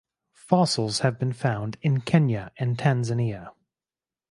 Fossils have been found in Kenya and Tanzania.